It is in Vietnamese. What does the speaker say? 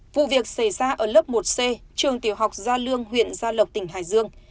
vụ việc xảy ra ở lớp một c trường tiểu học gia lương huyện gia lộc tỉnh hải dương